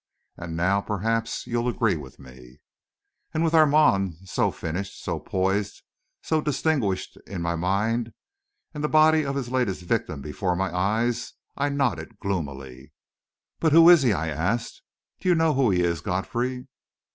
And now, perhaps, you'll agree with me." And with Armand, so finished, so self poised, so distinguished, in my mind, and the body of his latest victim before my eyes, I nodded gloomily. "But who is he?" I asked. "Do you know who he is, Godfrey?"